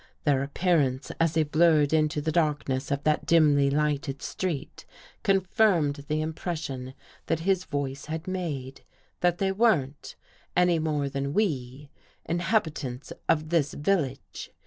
Their appear ance, as they blurred into the darkness of that dimly lighted street, confirmed the impression that his 210 A NIGHT RIDE voice had made — that they weren't, any more than we, inhabitants of this village.